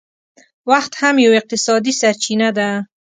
وخت هم یو اقتصادي سرچینه ده